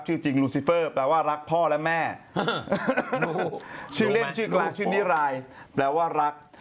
จริงลูซิเฟอร์แปลว่ารักพ่อและแม่ชื่อเล่นชื่อครูชื่อนิรายแปลว่ารัก